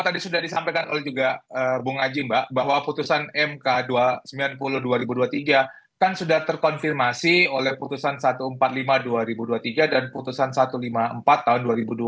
tadi sudah disampaikan oleh juga bung aji mbak bahwa putusan mk dua ratus sembilan puluh dua ribu dua puluh tiga kan sudah terkonfirmasi oleh putusan satu ratus empat puluh lima dua ribu dua puluh tiga dan putusan satu ratus lima puluh empat tahun dua ribu dua puluh